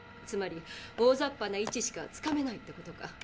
つまりおおざっぱな位置しかつかめないってことか。